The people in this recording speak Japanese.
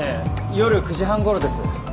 夜９時半頃です。